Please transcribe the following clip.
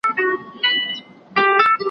حیوانان له وهمه تښتي خپل پردی سي